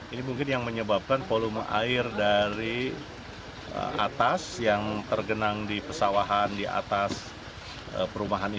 ini mungkin yang menyebabkan volume air dari atas yang tergenang di pesawahan di atas perumahan ini